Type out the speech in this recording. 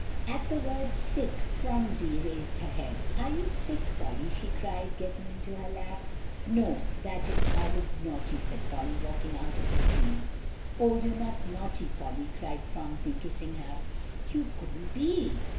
At the word "sick" Phronsie raised her head. "Are you sick, Polly?" she cried, getting into her lap. "No; that is I was naughty," said Polly, waking out of her dream. "Oh, you're not naughty, Polly," cried Phronsie, kissing her. "You couldn't be."